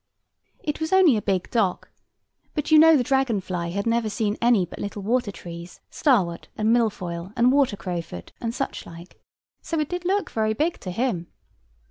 It was only a big dock: but you know the dragon fly had never seen any but little water trees; starwort, and milfoil, and water crowfoot, and such like; so it did look very big to him.